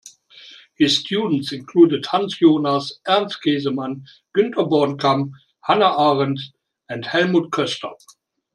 His students included Hans Jonas, Ernst Käsemann, Günther Bornkamm, Hannah Arendt and Helmut Koester.